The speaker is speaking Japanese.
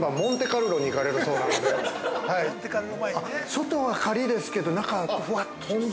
◆外はカリですけど中はふわっと。